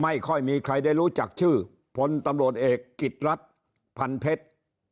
ไม่ค่อยมีใครได้รู้จักชื่อพตเกกิตรัศน์พันเพชร